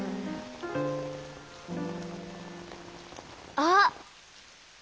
あっ。